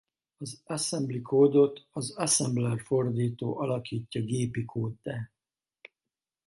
Az assembly kódot az assembler fordító alakítja gépi kóddá.